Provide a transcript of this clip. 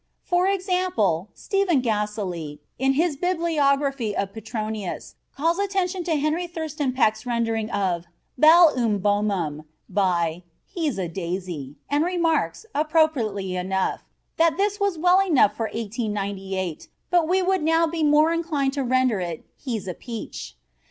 For example Stephen Gaselee, in his bibliography of Petronius, calls attention to Harry Thurston Peck's rendering of "bell um pomum" by "he's a daisy," and remarks, appropriately enough, "that this was well enough for 1898; but we would now be more inclined to render it 'he's a peach.